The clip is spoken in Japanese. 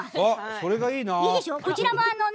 それもいいな。